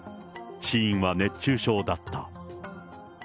死因は熱中症だった。